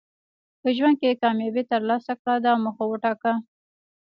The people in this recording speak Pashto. په ژوند کې کامیابي ترلاسه کړه دا موخه وټاکه.